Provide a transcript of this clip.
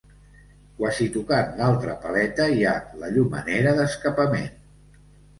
Quasi tocant l'altra paleta hi ha la llumenera d'escapament.